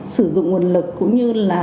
sử dụng nguồn lực cũng như là